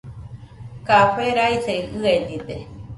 Café raise ɨenide.